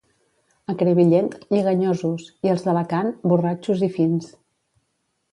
A Crevillent, lleganyosos, i els d'Alacant, borratxos i fins.